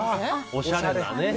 おしゃれなね。